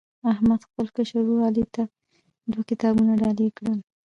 احمد خپل کشر ورر علي ته دوه کتابونه ډالۍ کړل.